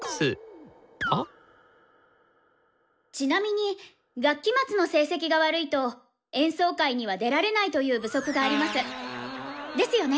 ちなみに学期末の成績が悪いと演奏会には出られないという部則があります。ですよね？